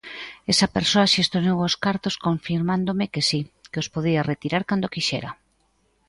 Esa persoa xestionou os cartos confirmándome que si, que os podía retirar cando quixera.